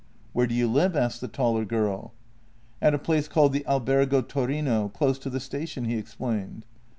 " Where do you live? " asked the taller girl. " At a place called the Albergo Torino, close to the station," he explained.